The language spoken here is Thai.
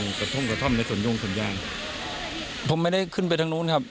กระท่อมกระท่อมในสวนยุ่งส่วนยางผมไม่ได้ขึ้นไปทางนู้นครับ